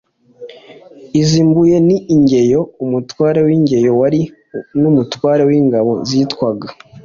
iz’ i mbuye: ni ingeyo umutware w’ingeyo wari n’umutware w’ingabo zitwaga